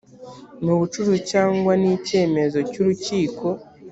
mu bucuruzi cyangwa n icyemezo cy urukiko